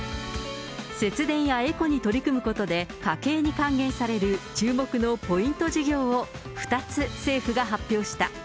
節電やエコに取り組むことで家計に還元される注目のポイント事業を、２つ政府が発表した。